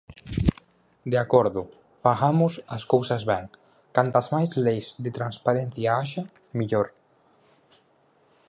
De acordo, fagamos as cousas ben, cantas máis leis de transparencia haxa, mellor.